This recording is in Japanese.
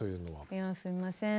いやすいません。